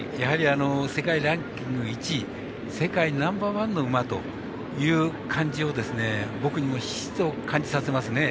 世界ランキング１位世界ナンバーワンの馬という感じを僕にもひしひしと感じさせますね。